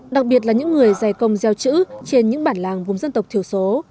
đặc biệt là những người dày công gieo chữ trên những bản làng vùng dân tộc thiểu số